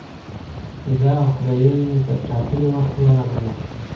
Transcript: زه او خوریی مې پر ټاکلي وخت ورغلو.